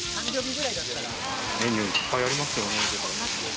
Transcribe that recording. メニューいっぱいありますよね。